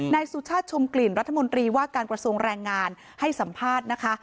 สุชาติชมกลิ่นรัฐมนตรีว่าการกระทรวงแรงงานให้สัมภาษณ์นะคะ